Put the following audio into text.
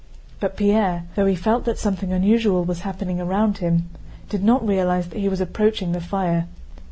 But Pierre, though he felt that something unusual was happening around him, did not realize that he was approaching the fire.